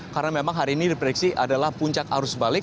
karena memang hari ini diprediksi adalah puncak arus balik